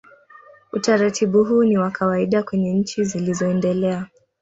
Utaratibu huu ni wa kawaida kwenye nchi zilizoendelea.